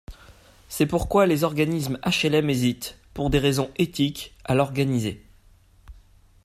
C’est pourquoi les organismes HLM hésitent, pour des raisons éthiques, à l’organiser.